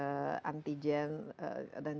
dan juga antigen yang ada di indonesia ini